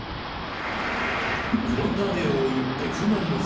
フロンターレを追うＦ・マリノス。